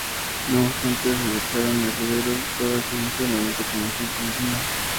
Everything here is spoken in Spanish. No obstante, se declaran "herederos de toda la experiencia del movimiento comunista internacional".